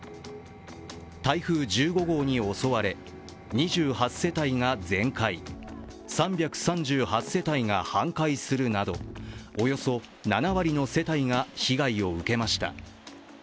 台風１５号に襲われ２８世帯が全壊、３３８世帯が半壊するなどおよそ７割の世帯が被害を受けました。